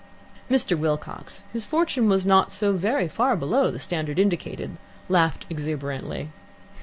Mr. Wilcox, whose fortune was not so very far below the standard indicated, laughed exuberantly.